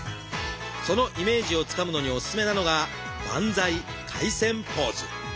そのイメージをつかむのにおすすめなのが「バンザイ回旋ポーズ」。